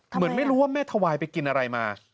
เหมือนไม่รู้ว่าแม่ทวายไปกินอะไรมา